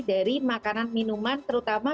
dari makanan minuman terutama